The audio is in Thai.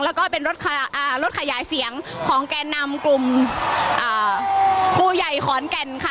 แล้วก็เป็นรถขยายเสียงของแก่นำกลุ่มผู้ใหญ่ขอนแก่นค่ะ